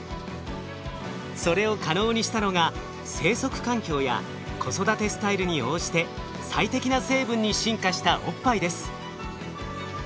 それを可能にしたのが生息環境や子育てスタイルに応じて最適な成分に進化したおっぱいです。